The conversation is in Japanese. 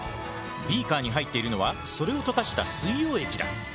ビーカーに入っているのはそれを溶かした水溶液だ。